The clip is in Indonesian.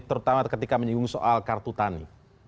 terutama ketika menyinggung soal kartu tani